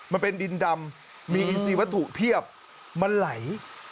มันเป็นดินดำมีอินซีวัตถุเพียบมันไหล